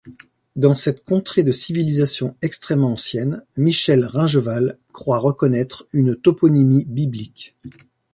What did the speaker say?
Dans cette contrée de civilisation extrêmement ancienne, Michel Ringeval croit reconnaître une toponymie biblique.